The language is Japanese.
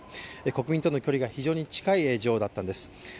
国民との距離が非常に近い女王だったんです。